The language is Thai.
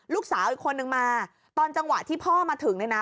ลูกสาวอีกคนนึงมาตอนจังหวะที่พ่อมาถึงเนี่ยนะ